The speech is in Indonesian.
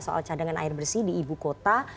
soal cadangan air bersih di ibu kota